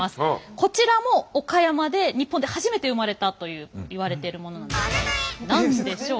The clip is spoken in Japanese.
こちらも岡山で日本で初めて生まれたといわれているものなんですが何でしょう？